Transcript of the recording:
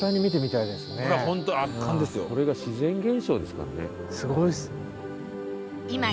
これが自然現象ですからね。